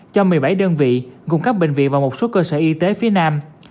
cho một mươi bảy đơn vị gồm các bệnh viện và một số cơ sở y tế phía nam